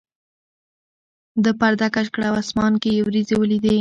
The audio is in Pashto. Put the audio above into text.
ده پرده کش کړه او اسمان کې یې وریځې ولیدې.